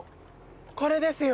これですよ。